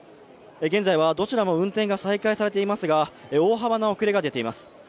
現在はどちらも運転が再開されていますが大幅な遅れが出ています。